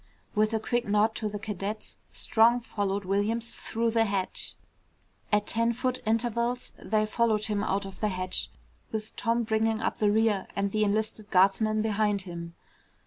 With a quick nod to the cadets Strong followed Williams through the hatch. At ten foot intervals they followed him out of the hatch, with Tom bringing up the rear and the enlisted guardsman behind him.